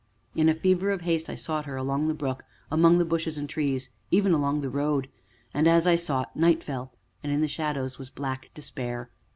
In a fever of haste I sought her along the brook, among the bushes and trees, even along the road. And, as I sought, night fell, and in the shadows was black despair.